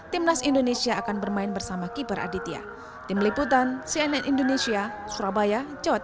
timnas indonesia akan bermain bersama keeper aditya